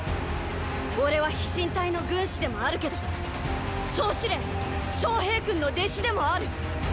オレは飛信隊の軍師でもあるけど総司令昌平君の弟子でもある。